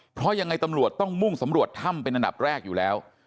เพราะยังไงตำรวจต้องมุ่งสำรวจถ้ำเป็นอันดับแรกอยู่แล้ว